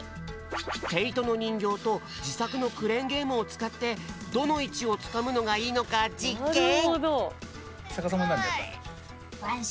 けいとのにんぎょうとじさくのクレーンゲームをつかってどのいちをつかむのがいいのかじっけん！